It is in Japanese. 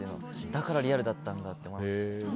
だからリアルだったんだって思いました。